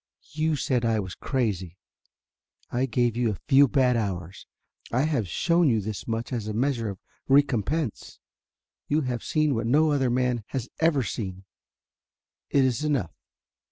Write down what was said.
You said I was crazy. I gave you a few bad hours. I have shown you this much as a measure of recompense. You have seen what no other man has ever seen. It is enough."